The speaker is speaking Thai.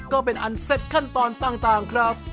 ก็เป็นอันเสร็จขั้นตอนต่างครับ